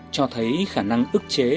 cho thấy khả năng ức chế